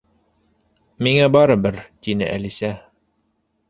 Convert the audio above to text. —Миңә барыбер... —тине Әлисә.